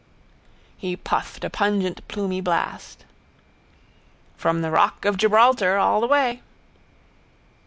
He puffed a pungent plumy blast. —From the rock of Gibraltar... all the way.